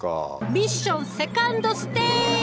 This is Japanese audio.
ミッションセカンドステージ！